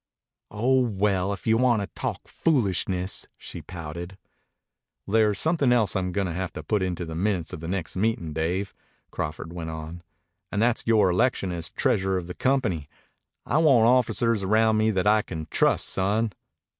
"Oh, well, if you want to talk foolishness," she pouted. "There's somethin' else I'm goin' to have put into the minutes of the next meetin', Dave," Crawford went on. "And that's yore election as treasurer of the company. I want officers around me that I can trust, son."